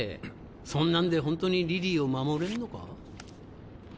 そんなんでホントにリリーを守れんのか？